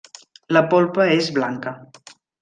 La polpa és blanca.